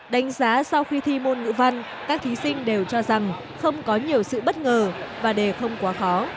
đánh giá sau khi thi môn ngữ văn các thí sinh đều cho rằng không có nhiều sự bất ngờ và đề không quá khó